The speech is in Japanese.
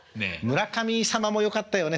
村神様もよかったよね。